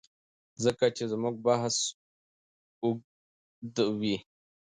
ځکه چي زموږ بحث اوږديوي